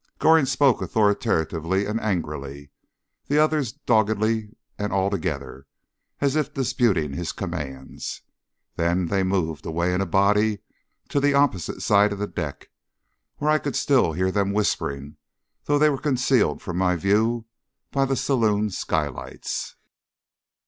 Goring spoke authoritatively and angrily the others doggedly and all together, as if disputing his commands. Then they moved away in a body to the opposite side of the deck, where I could still hear them whispering, though they were concealed from my view by the saloon skylights.